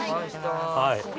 はい！